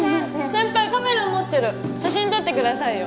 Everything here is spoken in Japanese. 先輩カメラ持ってる写真撮ってくださいよ